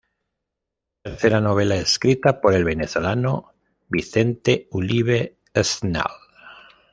Tercera novela escrita por el venezolano Vicente Ulive-Schnell.